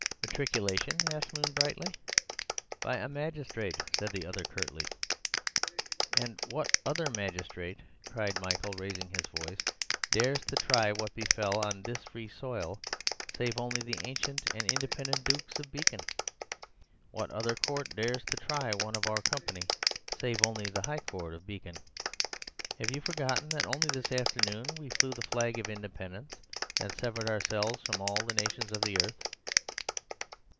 "Matriculation?" asked Moon brightly. "By a magistrate," said the other curtly. "And what other magistrate," cried Michael, raising his voice, "dares to try what befell on this free soil, save only the ancient and independent Dukes of Beacon? What other court dares to try one of our company, save only the High Court of Beacon? Have you forgotten that only this afternoon we flew the flag of independence and severed ourselves from all the nations of the earth?"